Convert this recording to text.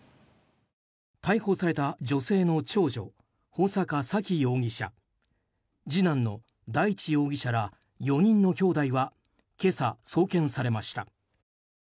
逮捕された女性の長女穂坂沙喜容疑者次男の大地容疑者ら４人のきょうだいは今朝、送検されました。